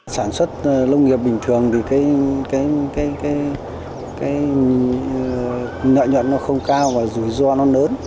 sản xuất lông nghiệp bình thường thì cái nhọn nhọn nó không cao và rủi ro nó lớn